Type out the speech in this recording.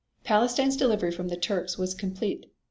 Palestine's delivery from the Turks was complete.